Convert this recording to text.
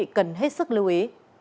các quý vị cần hết sức lưu ý